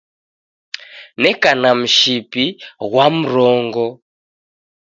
Neka na mshipi ghwa mrongo